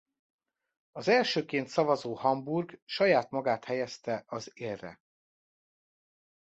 Az elsőként szavazó Hamburg saját magát helyezte az élre.